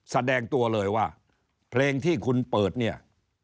แสดงตัวเลยว่าเพลงที่คุณเปิดเนี่ย